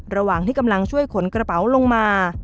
ระหว่างที่กำลังช่วยขนกระเป๋าลงมา